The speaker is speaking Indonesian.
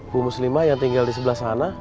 bu muslimah yang tinggal di sebelah sana